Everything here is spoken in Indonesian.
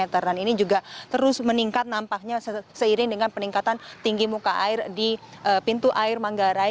dan ini juga terus meningkat nampaknya seiring dengan peningkatan tinggi muka air di pintu air manggarai